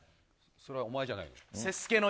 それはお前じゃないの？